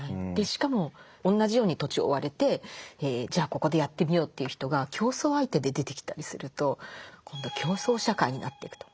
しかも同じように土地を追われてじゃあここでやってみようという人が競争相手で出てきたりすると今度は競争社会になっていくと。